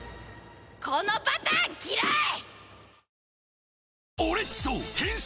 このパターン嫌い！！